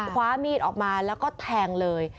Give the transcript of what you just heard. คว้ามีดออกมาแล้วก็แทงเลย